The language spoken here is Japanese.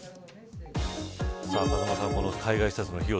風間さん、海外視察の費用